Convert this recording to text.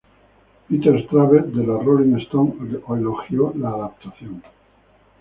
Peter Travers de la "Rolling Stone" elogió la adaptación.